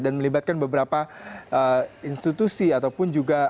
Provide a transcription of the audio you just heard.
dan melibatkan beberapa institusi ataupun juga